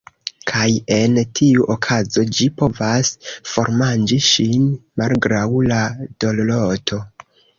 Kaj en tiu okazo ĝi povas formanĝi ŝin, malgraŭ la dorloto.